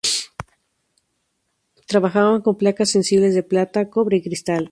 Trabajaban con placas sensibles de plata, cobre y cristal.